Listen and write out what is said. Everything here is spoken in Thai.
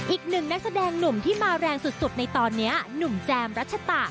อีกหนึ่งนักแสดงหนุ่มที่มาแรงสุดในตอนนี้หนุ่มแจมรัชตะ